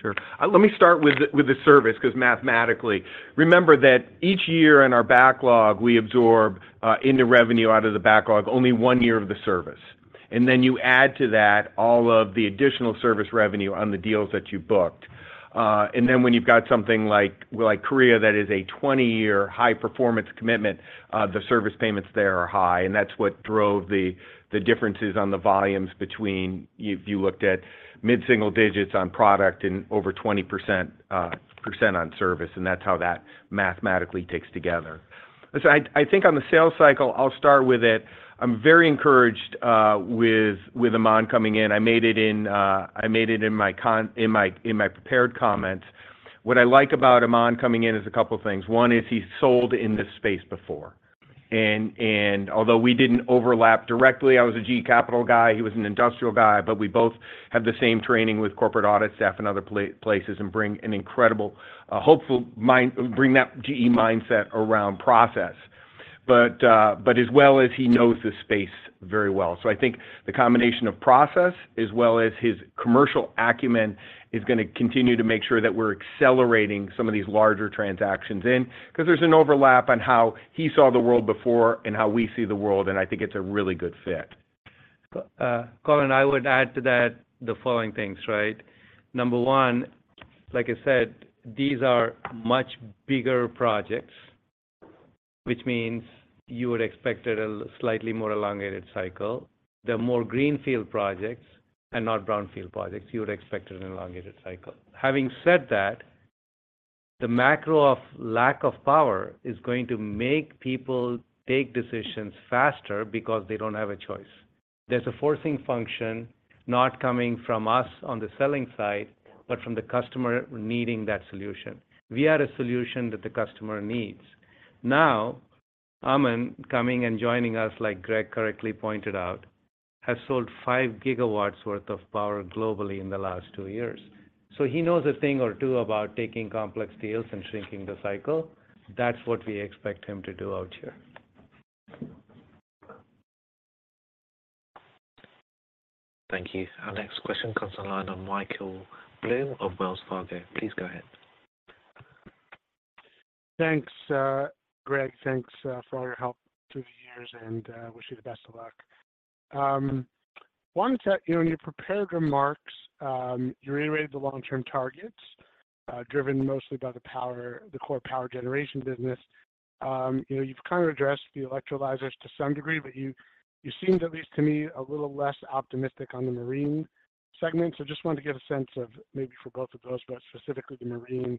Sure. Let me start with the service because mathematically, remember that each year in our backlog, we absorb into revenue out of the backlog only one year of the service. And then you add to that all of the additional service revenue on the deals that you booked. And then when you've got something like Korea that is a 20-year high-performance commitment, the service payments there are high. And that's what drove the differences on the volumes between if you looked at mid-single digits on product and over 20% on service, and that's how that mathematically ticks together. So I think on the sales cycle, I'll start with it. I'm very encouraged with Aman coming in. I made it in my prepared comments. What I like about Aman coming in is a couple of things. One is he's sold in this space before. Although we didn't overlap directly, I was a GE Capital guy. He was an industrial guy, but we both have the same training with corporate audit staff and other places and bring an incredible hopeful bring that GE mindset around process, but as well as he knows the space very well. So I think the combination of process as well as his commercial acumen is going to continue to make sure that we're accelerating some of these larger transactions in because there's an overlap on how he saw the world before and how we see the world, and I think it's a really good fit. Colin, I would add to that the following things. Number 1, like I said, these are much bigger projects, which means you would expect it a slightly more elongated cycle. They're more greenfield projects and not brownfield projects. You would expect it an elongated cycle. Having said that, the macro of lack of power is going to make people take decisions faster because they don't have a choice. There's a forcing function not coming from us on the selling side, but from the customer needing that solution. We are a solution that the customer needs. Now, Aman coming and joining us, like Greg correctly pointed out, has sold 5 gigawatts worth of power globally in the last 2 years. So he knows a thing or two about taking complex deals and shrinking the cycle. That's what we expect him to do out here. Thank you. Our next question comes from the line of Michael Blum of Wells Fargo. Please go ahead. Thanks, Greg. Thanks for all your help through the years, and I wish you the best of luck. I wanted to say in your prepared remarks, you reiterated the long-term targets driven mostly by the core power generation business. You've kind of addressed the electrolyzers to some degree, but you seemed, at least to me, a little less optimistic on the marine segment. So I just wanted to get a sense of maybe for both of those, but specifically the marine,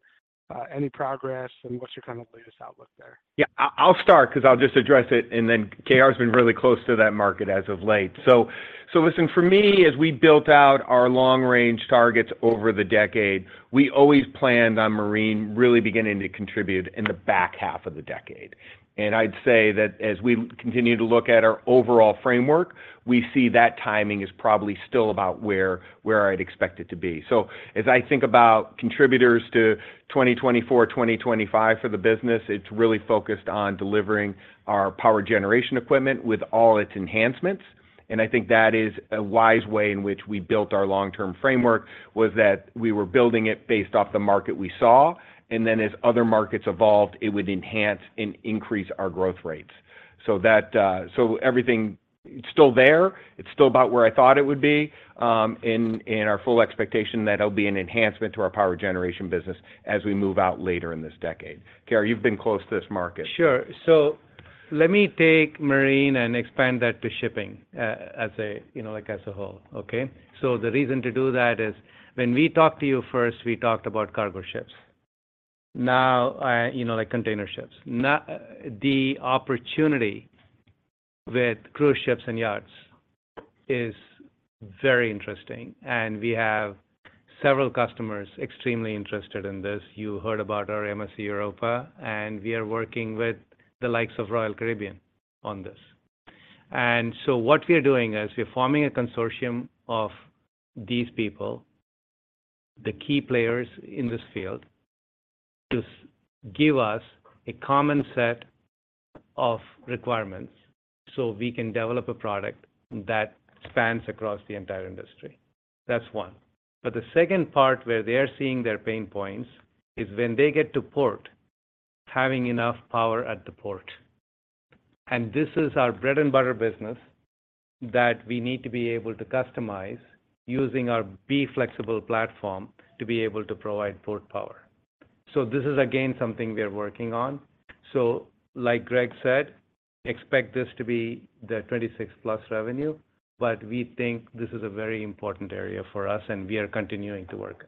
any progress and what's your kind of latest outlook there? Yeah. I'll start because I'll just address it, and then KR has been really close to that market as of late. So listen, for me, as we built out our long-range targets over the decade, we always planned on marine really beginning to contribute in the back half of the decade. And I'd say that as we continue to look at our overall framework, we see that timing is probably still about where I'd expect it to be. So as I think about contributors to 2024, 2025 for the business, it's really focused on delivering our power generation equipment with all its enhancements. And I think that is a wise way in which we built our long-term framework was that we were building it based off the market we saw, and then as other markets evolved, it would enhance and increase our growth rates. So everything, it's still there. It's still about where I thought it would be in our full expectation that it'll be an enhancement to our power generation business as we move out later in this decade. KR, you've been close to this market. Sure. So let me take marine and expand that to shipping as a whole. Okay? So the reason to do that is when we talked to you first, we talked about cargo ships, now container ships. The opportunity with cruise ships and yachts is very interesting, and we have several customers extremely interested in this. You heard about our MSC Europa, and we are working with the likes of Royal Caribbean on this. And so what we are doing is we're forming a consortium of these people, the key players in this field, to give us a common set of requirements so we can develop a product that spans across the entire industry. That's one. But the second part where they are seeing their pain points is when they get to port, having enough power at the port. This is our bread and butter business that we need to be able to customize using our B-Flexible platform to be able to provide port power. So this is, again, something we are working on. Like Greg said, expect this to be the 26+ revenue, but we think this is a very important area for us, and we are continuing to work.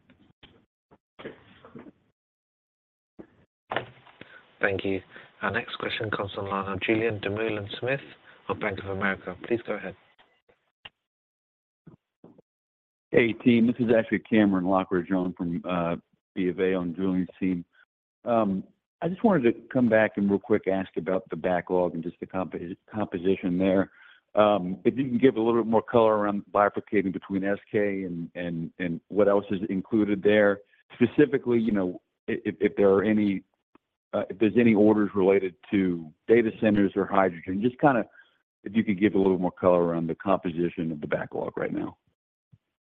Thank you. Our next question comes from Julian Dumoulin-Smith of Bank of America. Please go ahead. Hey, team. This is Ashley Cameron from B of A on Julian's team. I just wanted to come back and real quick ask about the backlog and just the composition there. If you can give a little bit more color around bifurcating between SK and what else is included there, specifically if there's any orders related to data centers or hydrogen, just kind of if you could give a little more color around the composition of the backlog right now.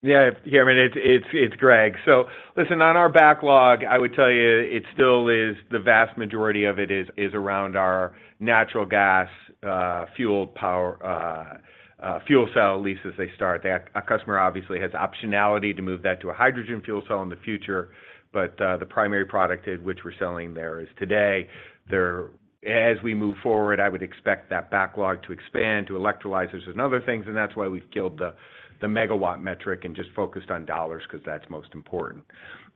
Yeah. Here, I mean, it's Greg. So listen, on our backlog, I would tell you it still is the vast majority of it is around our natural gas fuel cell leases they start. Our customer obviously has optionality to move that to a hydrogen fuel cell in the future, but the primary product which we're selling there is today. As we move forward, I would expect that backlog to expand to electrolyzers and other things, and that's why we've killed the megawatt metric and just focused on dollars because that's most important.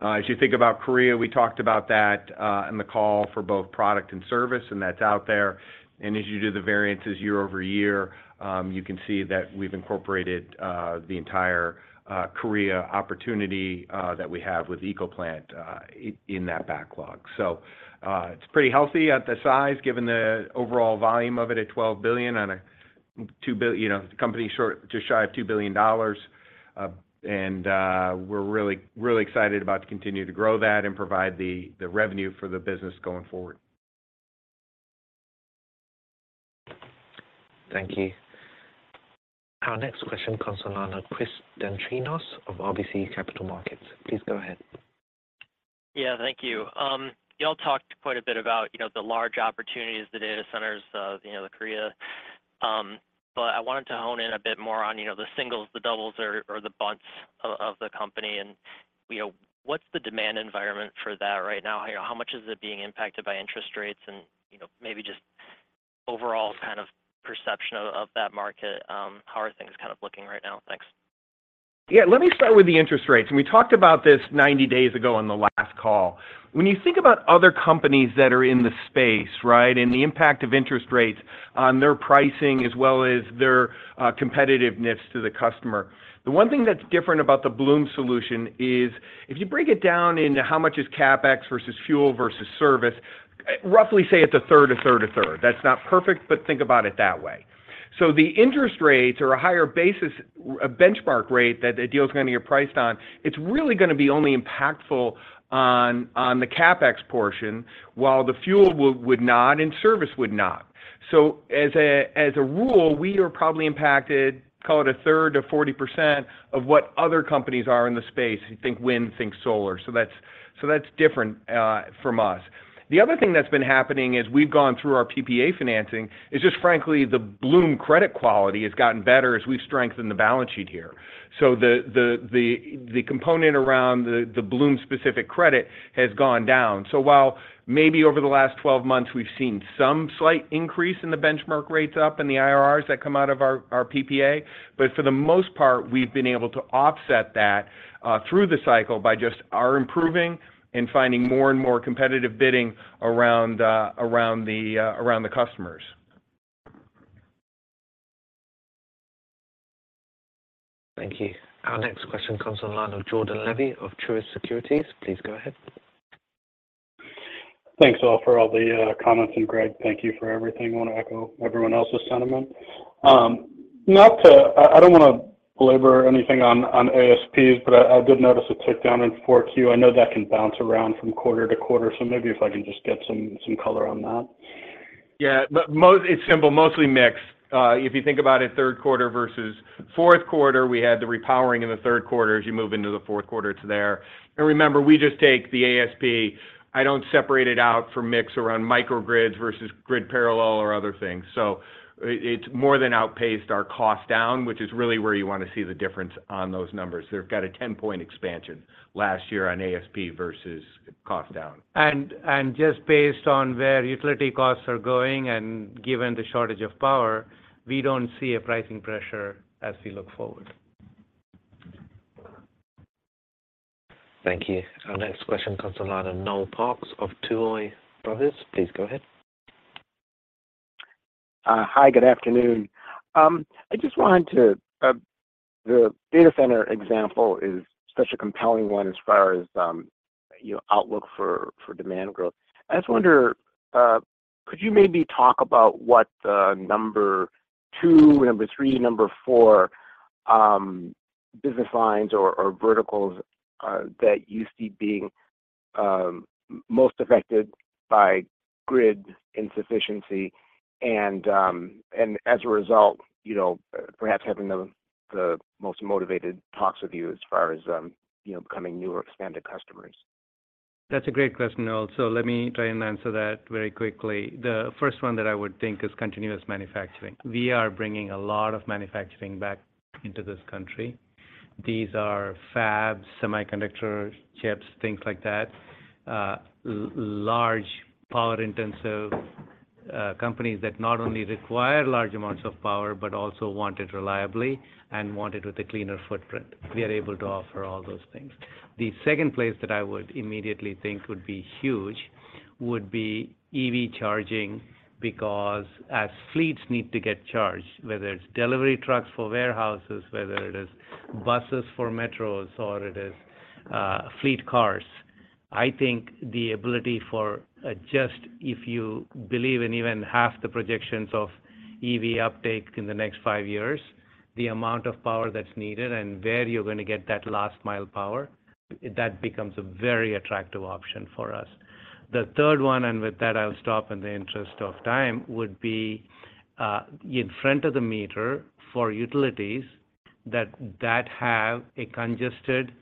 As you think about Korea, we talked about that in the call for both product and service, and that's out there. And as you do the variances year-over-year, you can see that we've incorporated the entire Korea opportunity that we have with SK ecoplant in that backlog. It's pretty healthy at the size given the overall volume of it at $12 billion on a company just shy of $2 billion. We're really excited about to continue to grow that and provide the revenue for the business going forward. Thank you. Our next question comes from the line of Chris Dendrinos of RBC Capital Markets. Please go ahead. Yeah. Thank you. You all talked quite a bit about the large opportunities, the data centers, the Korea, but I wanted to hone in a bit more on the singles, the doubles, or the bunts of the company. And what's the demand environment for that right now? How much is it being impacted by interest rates and maybe just overall kind of perception of that market? How are things kind of looking right now? Thanks. Yeah. Let me start with the interest rates. We talked about this 90 days ago on the last call. When you think about other companies that are in the space and the impact of interest rates on their pricing as well as their competitiveness to the customer, the one thing that's different about the Bloom solution is if you break it down into how much is CapEx versus fuel versus service, roughly say it's a third, a third, a third. That's not perfect, but think about it that way. So the interest rates or a higher basis, a benchmark rate that a deal is going to get priced on, it's really going to be only impactful on the CapEx portion while the fuel would not and service would not. So as a rule, we are probably impacted, call it 33%-40% of what other companies are in the space. Think wind, think solar. So that's different from us. The other thing that's been happening is we've gone through our PPA financing. It's just, frankly, the Bloom credit quality has gotten better as we've strengthened the balance sheet here. So the component around the Bloom-specific credit has gone down. So while maybe over the last 12 months, we've seen some slight increase in the benchmark rates up and the IRRs that come out of our PPA, but for the most part, we've been able to offset that through the cycle by just our improving and finding more and more competitive bidding around the customers. Thank you. Our next question comes from Jordan Levy of Truist Securities. Please go ahead. Thanks all for all the comments. Greg, thank you for everything. I want to echo everyone else's sentiment. I don't want to belabor anything on ASPs, but I did notice a tick down in 4Q. I know that can bounce around from quarter to quarter, so maybe if I can just get some color on that. Yeah. It's simple. Mostly mixed. If you think about it, third quarter versus fourth quarter, we had the repowering in the third quarter. As you move into the fourth quarter, it's there. And remember, we just take the ASP. I don't separate it out for mix around microgrids versus grid parallel or other things. So it's more than outpaced our cost down, which is really where you want to see the difference on those numbers. They've got a 10-point expansion last year on ASP versus cost down. Just based on where utility costs are going and given the shortage of power, we don't see a pricing pressure as we look forward. Thank you. Our next question comes from Noel Parks of Tuohy Brothers. Please go ahead. Hi. Good afternoon. I just wanted to the data center example is such a compelling one as far as outlook for demand growth. I just wonder, could you maybe talk about what the 2, 3, 4 business lines or verticals that used to be being most affected by grid insufficiency and, as a result, perhaps having the most motivated talks with you as far as becoming newer expanded customers? That's a great question, Noel. So let me try and answer that very quickly. The first one that I would think is continuous manufacturing. We are bringing a lot of manufacturing back into this country. These are fabs, semiconductor chips, things like that, large power-intensive companies that not only require large amounts of power but also want it reliably and want it with a cleaner footprint. We are able to offer all those things. The second place that I would immediately think would be huge would be EV charging because as fleets need to get charged, whether it's delivery trucks for warehouses, whether it is buses for metros, or it is fleet cars, I think the ability for just if you believe in even half the projections of EV uptake in the next five years, the amount of power that's needed and where you're going to get that last-mile power, that becomes a very attractive option for us. The third one, and with that, I'll stop in the interest of time, would be in front of the meter for utilities that have a congested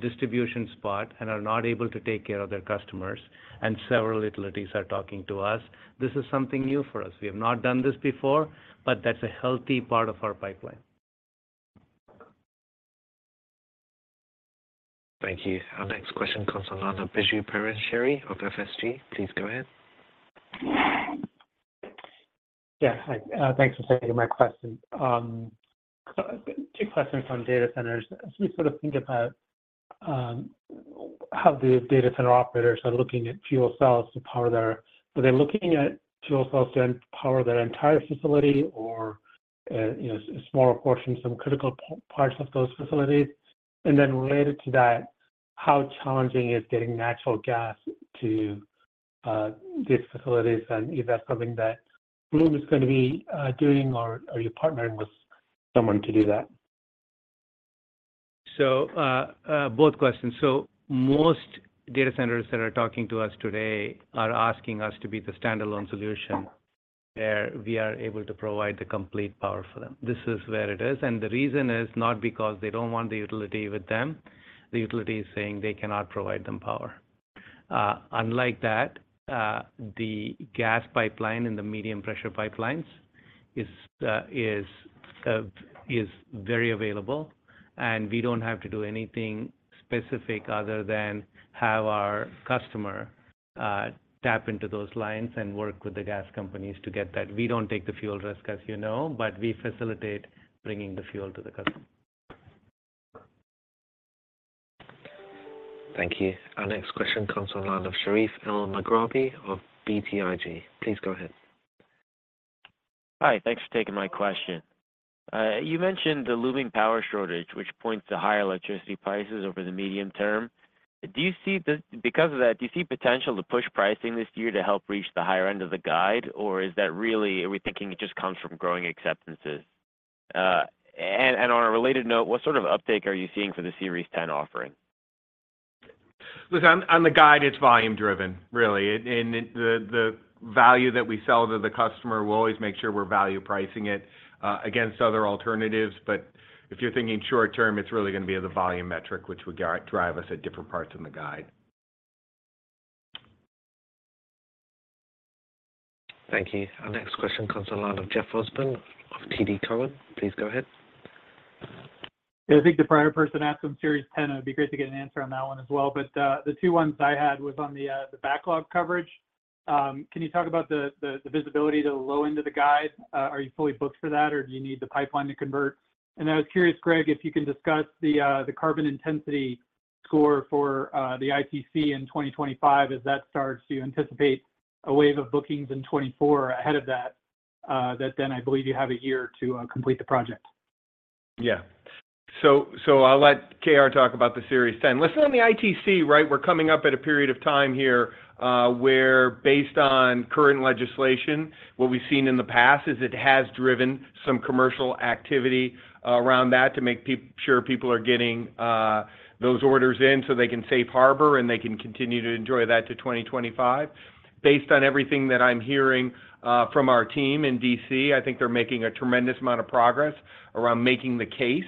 distribution spot and are not able to take care of their customers, and several utilities are talking to us. This is something new for us. We have not done this before, but that's a healthy part of our pipeline. Thank you. Our next question comes from the line of Biju Perincheril of SFG. Please go ahead. Yeah. Thanks for taking my question. Two questions on data centers. As we sort of think about how the data center operators are looking at fuel cells to power their facilities, are they looking at fuel cells to power their entire facility or a smaller portion, some critical parts of those facilities? And then related to that, how challenging is getting natural gas to these facilities? And is that something that Bloom is going to be doing, or are you partnering with someone to do that? So both questions. Most data centers that are talking to us today are asking us to be the standalone solution where we are able to provide the complete power for them. This is where it is. The reason is not because they don't want the utility with them. The utility is saying they cannot provide them power. Unlike that, the gas pipeline in the medium-pressure pipelines is very available, and we don't have to do anything specific other than have our customer tap into those lines and work with the gas companies to get that. We don't take the fuel risk, as you know, but we facilitate bringing the fuel to the customer. Thank you. Our next question comes from Sherif Elmaghrabi of BTIG. Please go ahead. Hi. Thanks for taking my question. You mentioned the looming power shortage, which points to higher electricity prices over the medium term. Do you see, because of that, potential to push pricing this year to help reach the higher end of the guide, or are we thinking it just comes from growing acceptances? And on a related note, what sort of uptake are you seeing for the Series 10 offering? Look, on the guide, it's volume-driven, really. And the value that we sell to the customer, we'll always make sure we're value pricing it against other alternatives. But if you're thinking short term, it's really going to be the volume metric, which would drive us at different parts in the guide. Thank you. Our next question comes from the line of Jeff Osborne of TD Cowen. Please go ahead. Yeah. I think the prior person asked on Series 10. It'd be great to get an answer on that one as well. But the two ones I had was on the backlog coverage. Can you talk about the visibility to the low end of the guide? Are you fully booked for that, or do you need the pipeline to convert? And I was curious, Greg, if you can discuss the carbon intensity score for the ITC in 2025 as that starts. Do you anticipate a wave of bookings in 2024 ahead of that that then I believe you have a year to complete the project? Yeah. So I'll let K.R. talk about the Series 10. Listen, on the ITC, we're coming up at a period of time here where, based on current legislation, what we've seen in the past is it has driven some commercial activity around that to make sure people are getting those orders in so they can safe harbor and they can continue to enjoy that to 2025. Based on everything that I'm hearing from our team in D.C., I think they're making a tremendous amount of progress around making the case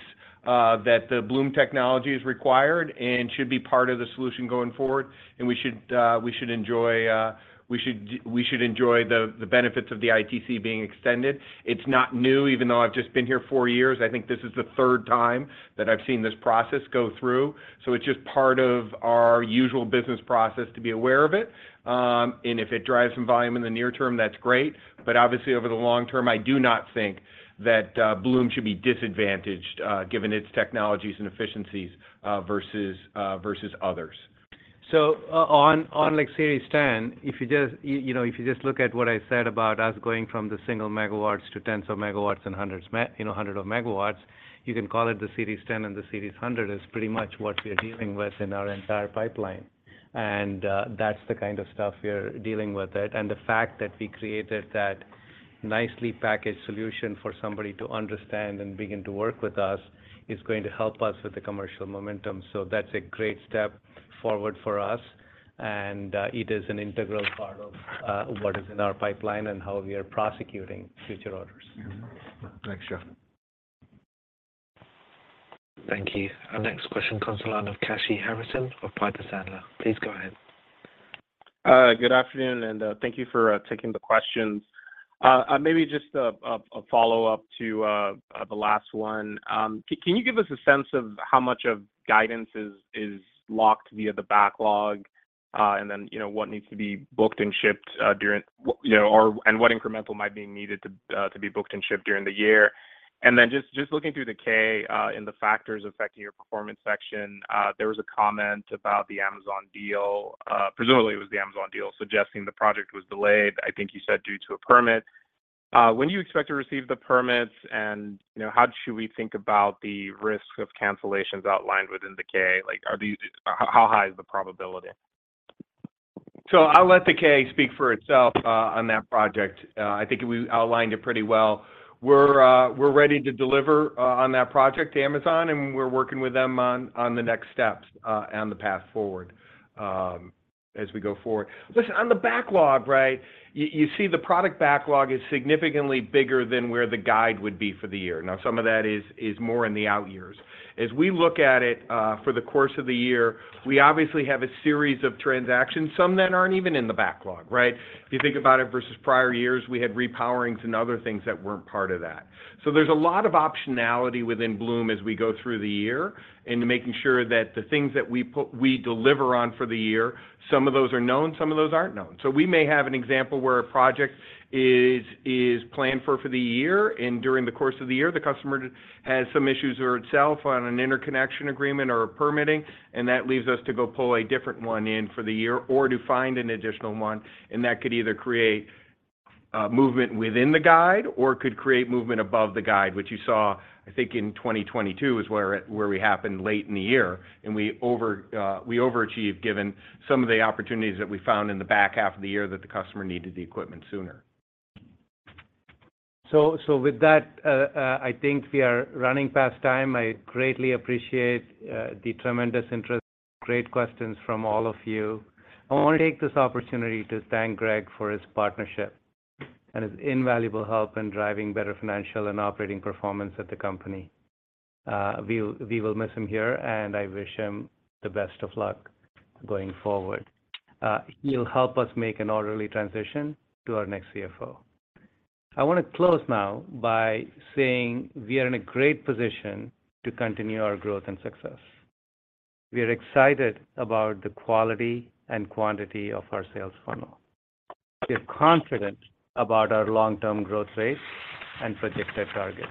that the Bloom technology is required and should be part of the solution going forward, and we should enjoy we should enjoy the benefits of the ITC being extended. It's not new, even though I've just been here four years. I think this is the third time that I've seen this process go through. It's just part of our usual business process to be aware of it. If it drives some volume in the near term, that's great. Obviously, over the long term, I do not think that Bloom should be disadvantaged given its technologies and efficiencies versus others. So on Series 10, if you just look at what I said about us going from the single megawatts to tens of megawatts and hundreds of megawatts, you can call it the Series 10 and the Series 100 is pretty much what we're dealing with in our entire pipeline. And that's the kind of stuff we're dealing with. And the fact that we created that nicely packaged solution for somebody to understand and begin to work with us is going to help us with the commercial momentum. So that's a great step forward for us. And it is an integral part of what is in our pipeline and how we are prosecuting future orders. Thanks, Jeff. Thank you. Our next question comes from Kashy Harrison of Piper Sandler. Please go ahead. Good afternoon, and thank you for taking the questions. Maybe just a follow-up to the last one. Can you give us a sense of how much of guidance is locked via the backlog and then what needs to be booked and shipped during and what incremental might be needed to be booked and shipped during the year? And then just looking through the K in the factors affecting your performance section, there was a comment about the Amazon deal. Presumably, it was the Amazon deal suggesting the project was delayed, I think you said, due to a permit. When do you expect to receive the permits, and how should we think about the risk of cancellations outlined within the K? How high is the probability? So I'll let the K speak for itself on that project. I think we outlined it pretty well. We're ready to deliver on that project to Amazon, and we're working with them on the next steps and the path forward as we go forward. Listen, on the backlog, you see the product backlog is significantly bigger than where the guide would be for the year. Now, some of that is more in the out years. As we look at it for the course of the year, we obviously have a series of transactions, some that aren't even in the backlog. If you think about it versus prior years, we had repowerings and other things that weren't part of that. So there's a lot of optionality within Bloom as we go through the year in making sure that the things that we deliver on for the year, some of those are known, some of those aren't known. We may have an example where a project is planned for the year, and during the course of the year, the customer has some issues with itself on an interconnection agreement or permitting, and that leaves us to go pull a different one in for the year or to find an additional one. That could either create movement within the guide or could create movement above the guide, which you saw, I think, in 2022, is where we happened late in the year, and we overachieved given some of the opportunities that we found in the back half of the year that the customer needed the equipment sooner. With that, I think we are running past time. I greatly appreciate the tremendous interest, great questions from all of you. I want to take this opportunity to thank Greg for his partnership and his invaluable help in driving better financial and operating performance at the company. We will miss him here, and I wish him the best of luck going forward. He'll help us make an orderly transition to our next CFO. I want to close now by saying we are in a great position to continue our growth and success. We are excited about the quality and quantity of our sales funnel. We are confident about our long-term growth rates and projected targets.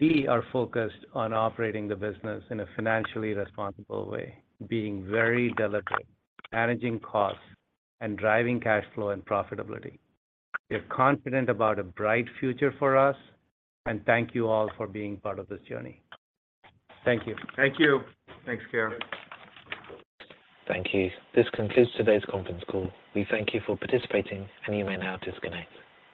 We are focused on operating the business in a financially responsible way, being very deliberate, managing costs, and driving cash flow and profitability. We are confident about a bright future for us, and thank you all for being part of this journey. Thank you. Thank you. Thanks, K.R. Thank you. This concludes today's conference call. We thank you for participating, and you may now disconnect.